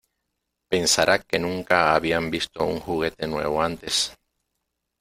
Pensará que nunca habían visto un juguete nuevo antes.